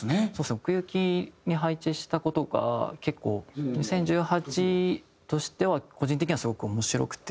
奥行きに配置した事が結構２０１８としては個人的にはすごく面白くて。